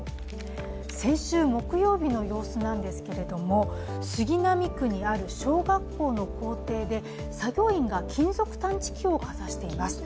先週木曜日の様子なんですけれども、杉並区にある小学校の校庭で作業員が金属探知機をかざしています。